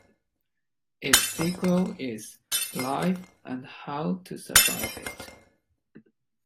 Its sequel is "Life and How to Survive It".